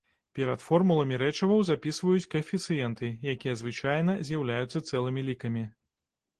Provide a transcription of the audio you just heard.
Перад формуламі рэчываў запісваюць каэфіцыенты, якія звычайна з'яўляюцца цэлымі лікамі.